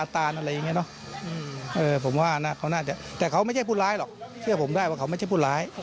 แต่เขาไม่ใช่ผู้ร้ายหรอกเชื่อผมได้ว่าเขาไม่ใช่ผู้ร้าย